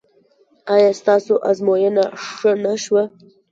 ایا ستاسو ازموینه ښه نه شوه؟